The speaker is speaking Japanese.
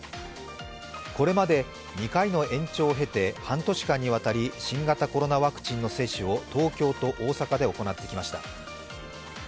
これまで２回の延長を経て半年間にわたり新型コロナワクチンの接種を東京と大阪で行ってきました。